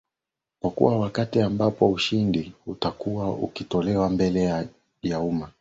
pokuwa wakati ambao ushahidi utakuwa ukitolewa mbele ya umma